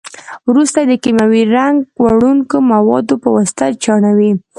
وروسته یې د کیمیاوي رنګ وړونکو موادو په واسطه چاڼوي.